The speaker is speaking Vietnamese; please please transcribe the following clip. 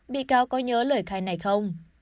bị cáo có nhớ lời khai này không